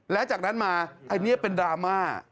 และจากนั้นมาอันนี้เป็นดราม่า